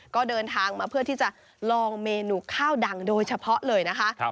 ก็เดินทางมาเพื่อที่จะลองเมนูข้าวดังโดยเฉพาะเลยนะคะ